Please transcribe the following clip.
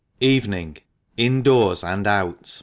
EVENING : INDOORS AND OUT